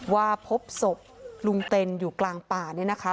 ว่าพบศพลุงเต็นอยู่กลางป่าเนี่ยนะคะ